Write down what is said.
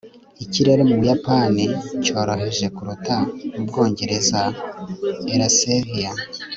ikirere mu buyapani cyoroheje kuruta mu bwongereza. (ellasevia